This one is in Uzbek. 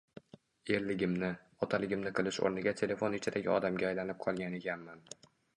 Erligimni, otaligimni qilish o`rniga telefon ichidagi odamga aylanib qolgan ekanman